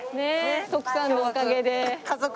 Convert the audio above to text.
徳さんのおかげで。